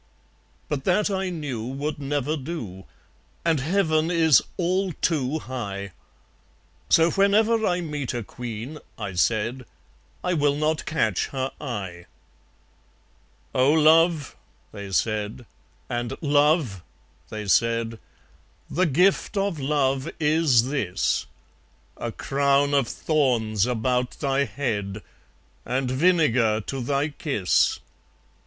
But that, I knew, would never do; And Heaven is all too high. So whenever I meet a Queen, I said, I will not catch her eye. "Oh! Love," they said, and "Love," they said, "The gift of Love is this; A crown of thorns about thy head, And vinegar to thy kiss!"